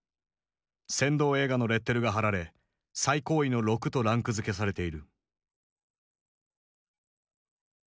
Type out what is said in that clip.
扇動映画のレッテルが貼られ最高位の６とランクづけされている。